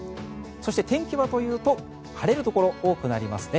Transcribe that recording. そして、天気はというと晴れるところ多くなりますね。